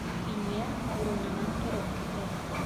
Кинйә урынынан тороп китә.